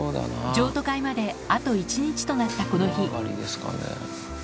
譲渡会まであと１日となったこの日。